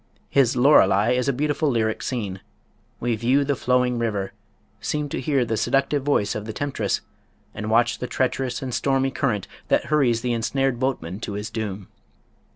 His "Lorelei" is a beautiful lyric scene. We view the flowing river, seem to hear the seductive voice of the temptress, and watch the treacherous and stormy current that hurries the ensnared boatman to his doom.